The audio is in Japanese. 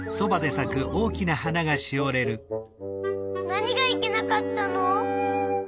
なにがいけなかったの？